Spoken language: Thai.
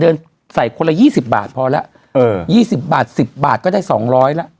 เดินใส่คนละยี่สิบบาทพอแล้วเออยี่สิบบาทสิบบาทก็ได้สองร้อยแล้ว